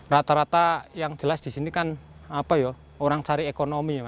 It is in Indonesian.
rata rata yang jelas di sini kan apa ya orang cari ekonomi